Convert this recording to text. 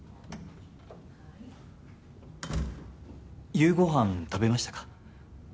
夕ご飯食べましたか？